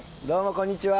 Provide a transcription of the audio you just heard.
こんにちは。